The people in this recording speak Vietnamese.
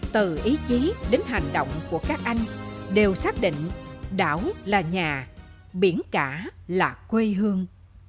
từ ý chí đến hành động của các anh đều xác định đảo là nhà biển cả là quê hương